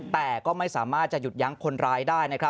แต่ก็ไม่สามารถจะหยุดยั้งคนร้ายได้